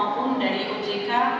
maupun dari ojk